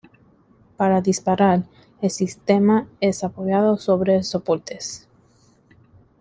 Para disparar, el sistema es apoyado sobre soportes.